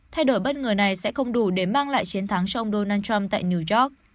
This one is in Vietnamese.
thay đổi bất ngờ này sẽ không đủ để mang lại chiến thắng cho ông donald trump tại new york